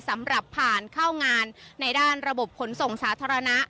สำหรับผ่านเข้างานในด้านระบบขนส่งสาธารณะ